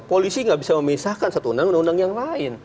polisi nggak bisa memisahkan satu undang undang yang lain